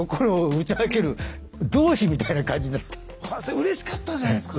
うれしかったんじゃないですか？